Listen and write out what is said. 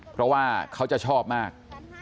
เพราะว่าเขาจะชอบมาก